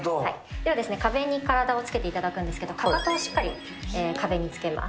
では、壁に体をつけていただくんですけれども、かかとをしっかり壁につけます。